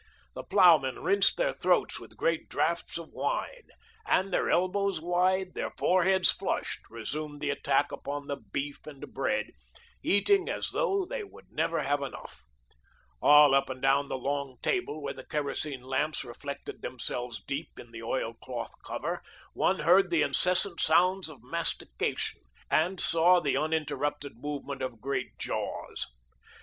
The ploughmen rinsed their throats with great draughts of wine, and, their elbows wide, their foreheads flushed, resumed the attack upon the beef and bread, eating as though they would never have enough. All up and down the long table, where the kerosene lamps reflected themselves deep in the oil cloth cover, one heard the incessant sounds of mastication, and saw the uninterrupted movement of great jaws.